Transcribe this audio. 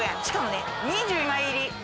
しかもね２０枚入り。